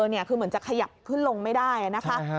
คือเหมือนจะขยับขึ้นลงไม่ได้นะคะ